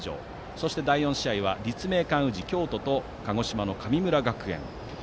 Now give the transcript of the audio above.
そして第４試合は京都・立命館宇治と鹿児島・神村学園。